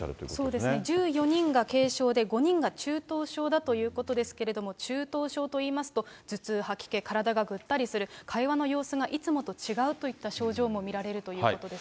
そうですね、１４人が軽症で５人が中等症だということですけれども、中等症といいますと、頭痛、吐き気、体がぐったりする、会話の様子がいつもと違うといった症状も見られるということです